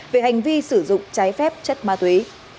về hành vi sử dụng trái phép chất ma túy